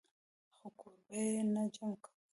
خو کور به ئې نۀ جمع کوئ -